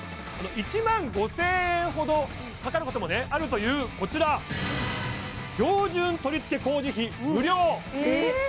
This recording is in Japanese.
１万５０００円ほどかかることもねあるというこちら標準取り付け工事費無料ええっ！？